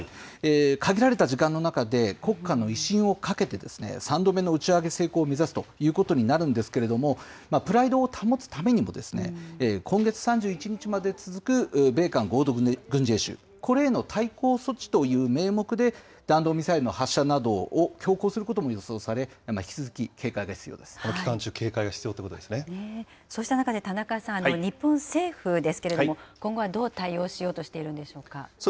限られた時間の中で、国家の威信をかけて、３度目の打ち上げ成功を目指すということになるんですけれども、プライドを保つためにも、今月３１日まで続く米韓合同軍事演習、これへの対抗措置という名目で、弾道ミサイルの発射などを強行することも予想され、引き続この期間中、警戒が必要といそうした中で田中さん、日本政府ですけれども、今後はどう対応しようとしているんでしょうか。